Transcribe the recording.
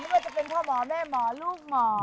ว่าจะเป็นพ่อหมอแม่หมอลูกหมอ